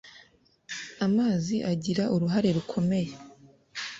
amazi agira uruhare rukomeye